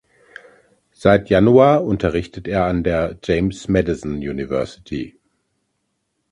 Seit Januar unterrichtet er an der James Madison University.